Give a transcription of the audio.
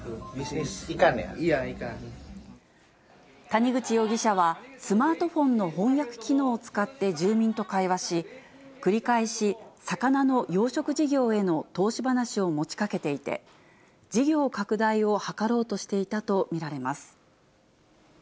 谷口容疑者は、スマートフォンの翻訳機能を使って住民と会話し、繰り返し魚の養殖事業への投資話を持ちかけていて、事業拡大を図ろうとしていたと見られます。